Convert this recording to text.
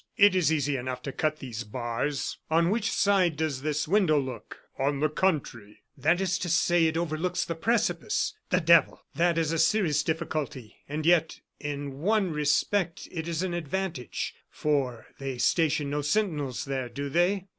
"It is easy enough to cut these bars. On which side does this window look?" "On the country." "That is to say, it overlooks the precipice. The devil! That is a serious difficulty, and yet, in one respect, it is an advantage, for they station no sentinels there, do they?"